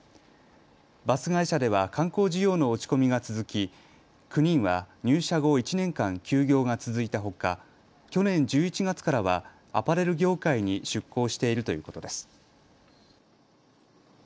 バス会社では観光需要の落ち込みが続き、９人は入社後１年間、休業が続いたほか去年１１月からはアパレル業界に出向しているということです。